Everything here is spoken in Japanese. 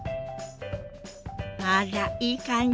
あらいい感じ。